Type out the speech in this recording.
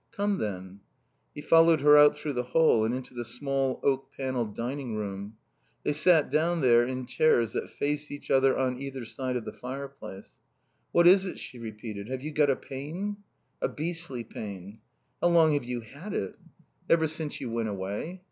"Come, then." He followed her out through the hall and into the small, oak panelled dining room. They sat down there in chairs that faced each other on either side of the fireplace. "What is it?" she repeated. "Have you got a pain?" "A beastly pain." "How long have you had it?" "Ever since you went away.